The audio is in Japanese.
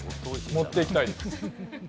持っていきたいです。